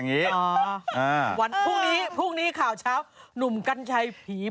เข้าใจ